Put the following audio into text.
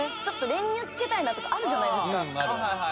ちょっと練乳つけたいなとかあるじゃないですか